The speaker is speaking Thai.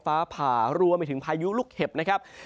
ฟ้าผ่ารวมไปถึงพายุลูกเห็บนะครับ